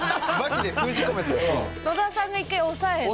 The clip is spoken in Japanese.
野田さんが一回抑えて。